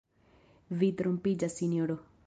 Vi trompiĝas, sinjoro.